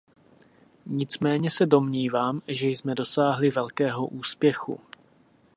Nicméně se domnívám, že jsme dosáhli velkého úspěchu.